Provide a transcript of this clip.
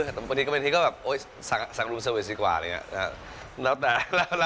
แต่บางทีก็เป็นที่ก็แบบสั่งลุมเซอร์เวทดีกว่าอะไรอย่างนี้